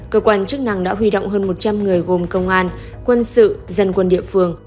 cơ quan chức năng đã huy động hơn một trăm linh người gồm công an quân sự dân quân địa phương